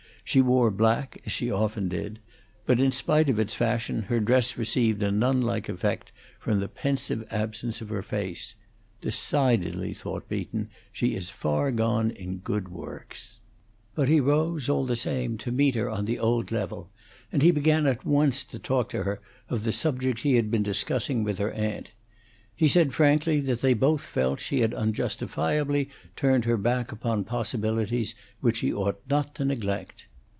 She wore black, as she often did; but in spite of its fashion her dress received a nun like effect from the pensive absence of her face. "Decidedly," thought Beaton, "she is far gone in good works." But he rose, all the same, to meet her on the old level, and he began at once to talk to her of the subject he had been discussing with her aunt. He said frankly that they both felt she had unjustifiably turned her back upon possibilities which she ought not to neglect.